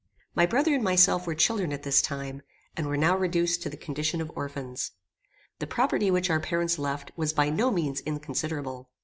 My brother and myself were children at this time, and were now reduced to the condition of orphans. The property which our parents left was by no means inconsiderable.